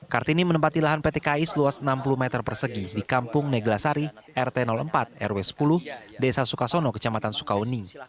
kartini menempati lahan pt kai seluas enam puluh meter persegi di kampung neglasari rt empat rw sepuluh desa sukasono kecamatan sukawening